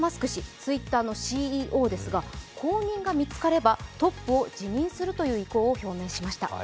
ＴｗｉｔｔｅｒのＣＥＯですが後任が見つかればトップを辞任するという意向を表明しました。